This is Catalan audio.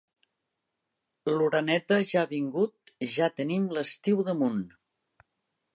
L'oreneta ja ha vingut, ja tenim l'estiu damunt.